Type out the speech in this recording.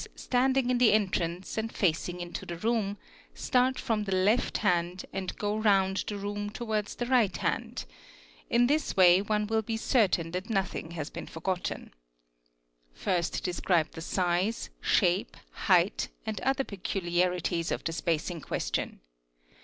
standing in the entrance and facing | into the room, start from the left hand and go round the room towards the right hand; in this way one will be certain that nothing has been forgotten. First déscribe the size, shape, height, and other peculiarities of the space in question.